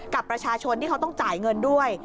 กับประชาชนที่เขาต้องจ่ายเงินด้วย